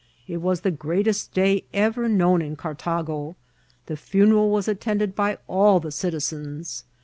It was the greatest day ever known in Cartago. The frmeral was attended by all the citizens.